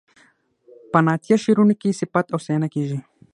په نعتیه شعرونو کې صفت او ستاینه کیږي.